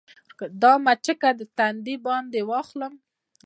دا مچکه دې تندي باندې درواخله